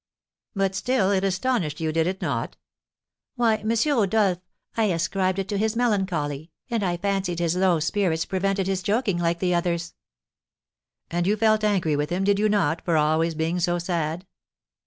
"But still it astonished you, did it not?" "Why, M. Rodolph, I ascribed it to his melancholy, and I fancied his low spirits prevented his joking like the others." "And you felt angry with him, did you not, for always being so sad?"